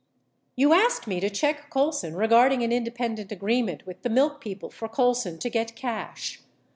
699 You asked me to check Colson regarding an independent agreement with the milk people for Colson to get cash.